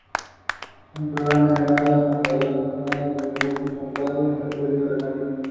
Wanderers, como segundo de la Liguilla, y Defensor, definieron la segunda clasificación.